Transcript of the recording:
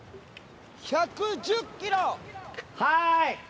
はい。